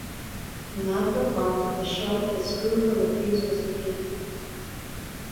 In the upper part of the shell a screw for the fuse was located.